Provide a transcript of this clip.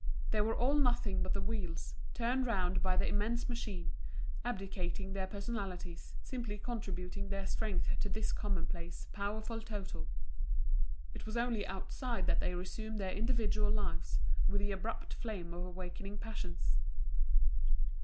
They were all nothing but the wheels, turned round by the immense machine, abdicating their personalities, simply contributing their strength to this commonplace, powerful total. It was only outside that they resumed their individual lives, with the abrupt flame of awakening passions.